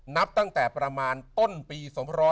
นับตั้งแต่ประมาณต้นปี๒๕๖๒